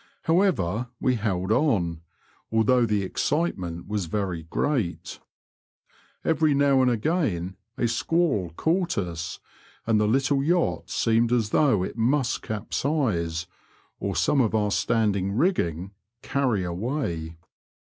However, we held on, although the excitiement was very great. Every now and again a squall caught us, and the little yacht seemed as though it must capsize, or some of our standing rigging carry away.